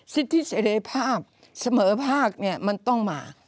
สิทธิเสรีภาพเสมอภาคมันต้องมา